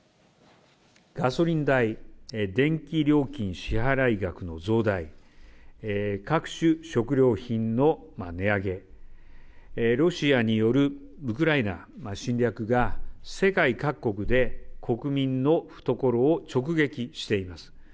ガソリン代、電気料金支払い額の増大、各種食料品の値上げ、ロシアによるウクライナ侵略が世界各国で国民の懐を直撃しています。